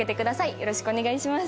よろしくお願いします。